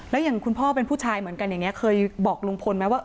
แล้วอย่างคุณพ่อเป็นผู้ชายเหมือนกันอย่างนี้เคยบอกลุงพลไหมว่า